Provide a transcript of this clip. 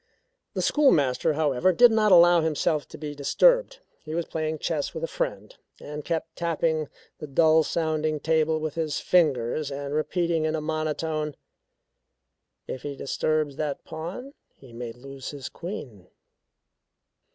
The schoolmaster, however, did not allow himself to be disturbed. He was playing chess with a friend, and kept tapping the dull sounding table with his fingers, and repeating in a monotone: "If he disturbs that pawn, he may lose his queen."